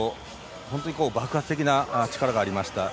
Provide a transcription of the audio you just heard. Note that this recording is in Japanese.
本当に爆発的な力がありました。